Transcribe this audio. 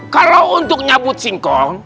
kalau untuk nyabut singkong